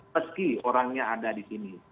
meski orangnya ada di sini